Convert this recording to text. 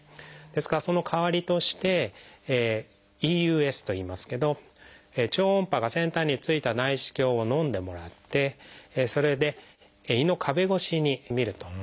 ですからその代わりとして「ＥＵＳ」といいますけど超音波が先端に付いた内視鏡をのんでもらってそれで胃の壁越しにみるという検査を行います。